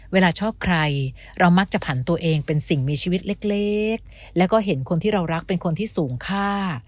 เวลาชอบใครเรามักจะผันตัวเองเป็นสิ่งมีชีวิตเล็กแล้วก็เห็นคนที่เรารักเป็นคนที่สูงค่า